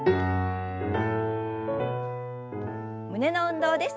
胸の運動です。